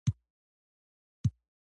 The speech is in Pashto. اوبه د ژوند لپاره اړینې دي.